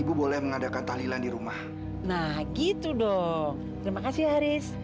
ibu boleh mengadakan tahlilan di rumah nah gitu dong terima kasih aris